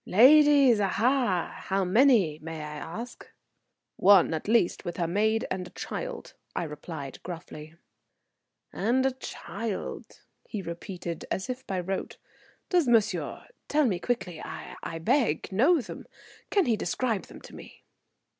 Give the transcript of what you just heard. "Ladies, aha! How many, may I ask?" "One at least, with her maid and a child," I replied gruffly. "And a child," he repeated, as if by rote. "Does monsieur, tell me quickly, I I beg know them! Can he describe them to me?"